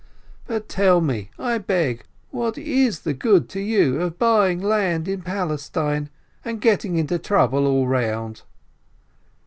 But tell me, I beg, what is the good to you of buying land in Palestine and getting into trouble all round?"